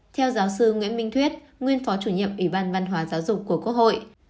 theo giáo sư nguyễn minh thuyết nguyên phó chủ nhiệm ủy ban văn hóa giáo dục của quốc hội